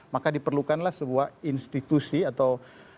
maka diperlukanlah sebuah institusi atau